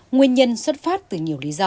nguyên nhân xuất phát từ nhiều lý do